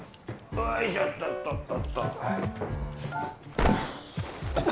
おいしょっとっとっと。